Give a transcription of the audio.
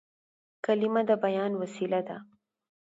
کلیمه د بیان وسیله ده.